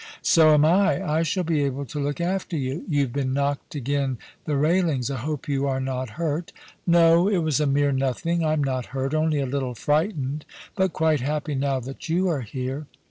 ^ *So am I. I shall be able to look after you. YouVe been knocked agen the railings. I hope you are not hurt P ' No ; it was a mere nothing. I am not hurt — only a little frightened, but quite happy now that you are here.